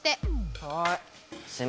はい！